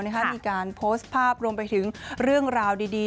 มีการโพสต์ภาพรวมไปถึงเรื่องราวดี